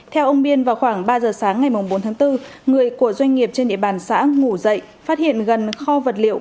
theo ông biên vào khoảng ba giờ sáng ngày bốn tháng bốn người của doanh nghiệp trên địa bàn xã ngủ dậy phát hiện gần kho vật liệu